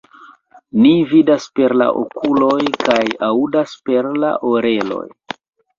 Ni vidas per la okuloj kaj aŭdas perla oreloj.